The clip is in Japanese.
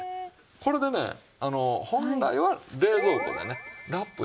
これでね本来は冷蔵庫でねラップしてね。